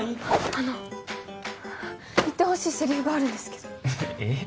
あの言ってほしいセリフがあるんですけどえっ？